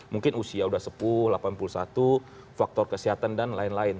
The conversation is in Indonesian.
mungkin usia sudah sepuluh delapan puluh satu faktor kesehatan dan lain lain